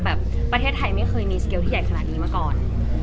ประเทศไทยไม่เคยมีสเกลที่ใหญ่ขนาดนี้มาก่อน